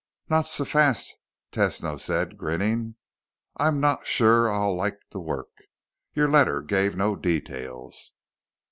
"Not so fast," Tesno said, grinning. "I'm not sure I'll like the work. Your letter gave no details."